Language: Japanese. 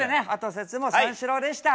説も三四郎でした。